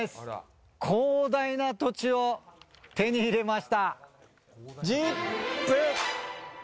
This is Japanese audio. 広大な土地を手に入れました。